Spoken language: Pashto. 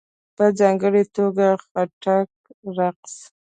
په ځانګړې توګه ..خټک رقص..